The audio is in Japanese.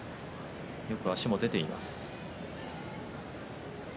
よく足も出ています。